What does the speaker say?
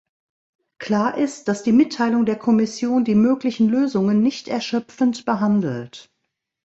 Klar ist, dass die Mitteilung der Kommission die möglichen Lösungen nicht erschöpfend behandelt.